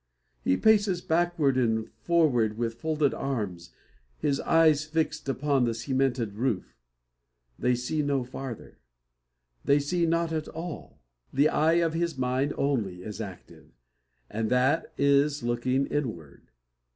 He paces backward and forward with folded arms, his eyes fixed upon the cemented roof. They see no farther; they see not at all. The eye of his mind only is active, and that is looking inward.